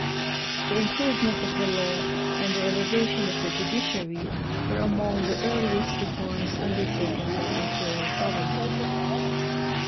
The improvement of the law and the elevation of the judiciary were among the earliest reforms undertaken by the imperial government.